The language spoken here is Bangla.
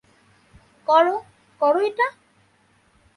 কর, কর এটা!